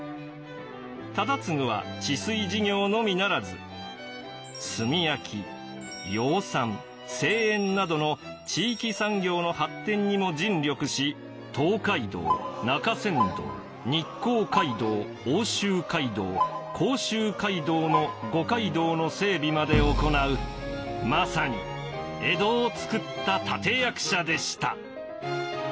忠次は治水事業のみならず炭焼き養蚕製塩などの地域産業の発展にも尽力し東海道中山道日光街道奥州街道甲州街道の五街道の整備まで行うまさに江戸をつくった立て役者でした。